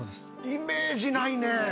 イメージないね。